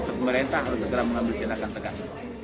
pemerintah harus segera mengambil tindakan tegas